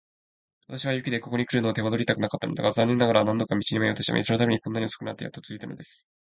私は雪でここにくるのを手間取りたくなかったのだが、残念ながら何度か道に迷ってしまい、そのためにこんなに遅くなってやっと着いたのです。